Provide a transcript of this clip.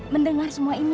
mendengar semua ini